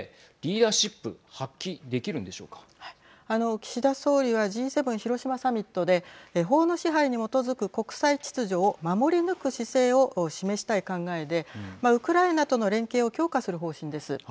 岸田総理はＧ７広島サミットで法の支配に基づく国際秩序を守り抜く姿勢を示したい考えでウクライナとの連携を強化する方針です。